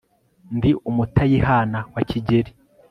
ndi umutayihana wa kigeli